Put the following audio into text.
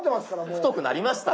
太くなりました。